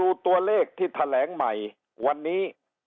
ตัวเลขที่แถลงใหม่วันนี้